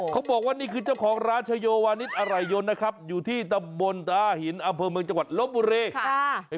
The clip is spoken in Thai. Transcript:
เขาบอกว่านี่คือเจ้าของร้านชโยวานิดอะไรยนนะครับอยู่ที่ตำบลตาหินอำเภอเมืองจังหวัดลบบุรี